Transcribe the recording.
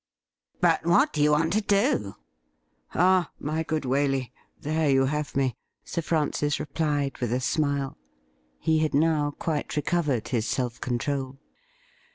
' But what do you want to do .'*'' Ah, my good Waley, there you have me,' Sir Francis replied, with a smile. He had now quite recovered his self conti ol.